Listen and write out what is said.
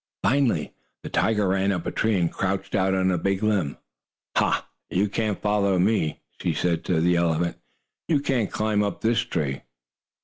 Finally the tiger ran up a tree and crouched out on a big limb. "Ha! Now you can't follow me!" she said to the elephant. "You can't climb up this tree!"